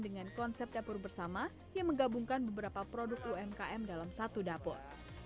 dengan konsep dapur bersama yang menggabungkan beberapa produk umkm dalam satu dapur